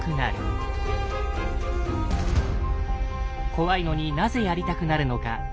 怖いのになぜやりたくなるのか。